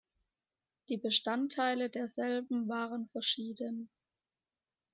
Die Bestandteile derselben waren verschieden.